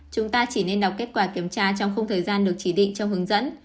chúng ta chỉ nên đọc kết quả kiểm tra trong không thời gian được chỉ định trong hướng dẫn